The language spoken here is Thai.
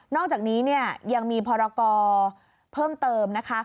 อกจากนี้ยังมีพรกรเพิ่มเติมนะคะ